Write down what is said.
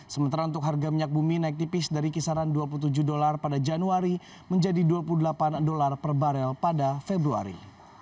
sementara untuk harga minyak bumi naik tipis dari kisaran dua puluh tujuh dolar pada januari menjadi dua puluh delapan dolar per barel pada februari